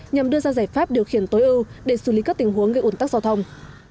nhằm đưa ra giải pháp điều khiển tối ưu để xử lý các tình huống gây ủn tắc giao thông